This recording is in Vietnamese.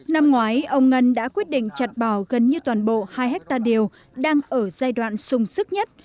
năm ngoái ông ngân đã quyết định chặt bỏ gần như toàn bộ hai hectare điều đang ở giai đoạn sùng sức nhất